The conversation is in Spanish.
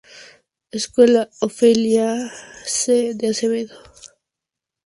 Escuela Ofelia C. de Acevedo.